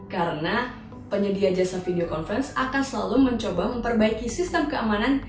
karena penyedia jasa video conference akan selalu mencoba memperbaiki sistem keamanan